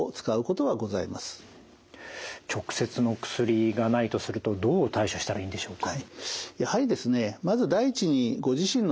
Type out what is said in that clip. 直接の薬がないとするとどう対処したらいいんでしょうか？